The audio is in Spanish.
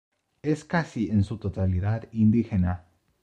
Es casi en su totalidad indígena.